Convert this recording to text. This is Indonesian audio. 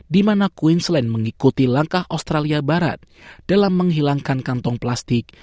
di mana queensland mengikuti langkah australia barat dalam menghilangkan kantong plastik